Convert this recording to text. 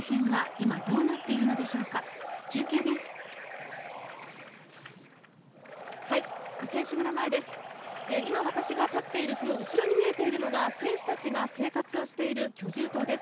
今、私が立っているその後ろに見えているのが選手たちが生活をしている居住棟です。